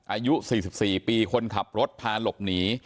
อายุ๔๔ปีคนขับรถพาหลบหนี